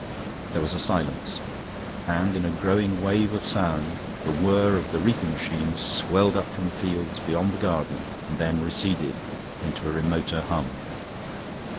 There was a silence, and in a growing wave of sound the whir of the reaping machines swelled up from the fields beyond the garden and then receded into a remoter hum.